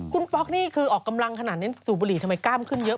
คุณป๊อกนี่คือออกกำลังขนาดนี้สูบบุหรี่ทำไมกล้ามขึ้นเยอะ